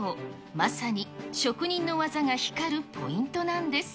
まさに職人の技が光るポイントな